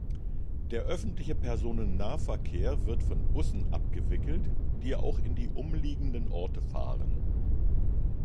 Der öffentliche Personennahverkehr wird von Bussen abgewickelt, die auch in die umliegenden Orte fahren.